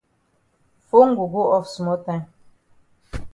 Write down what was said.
Fone go go off small time.